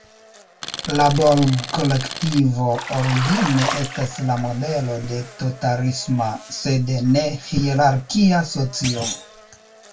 La Borg-kolektivo origine estas la modelo de totalisma, sed ne-hierarkia socio.